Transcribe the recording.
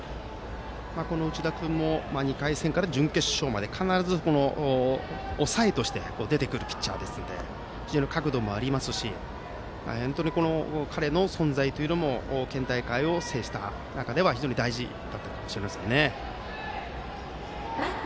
内田君も２回戦から準決勝まで必ず抑えとして出てくるピッチャーですので非常に角度もありますし彼の存在というのも県大会を制した中では非常に大事だったかもしれないですよね。